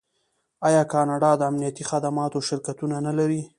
آیا کاناډا د امنیتي خدماتو شرکتونه نلري؟